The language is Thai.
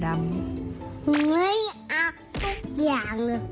ไม่เอาทุกอย่างเลย